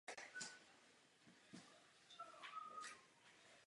Její příčinou je závislost indexu lomu světla na vlnové délce světla.